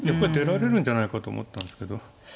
出られるんじゃないかと思ったんですけど。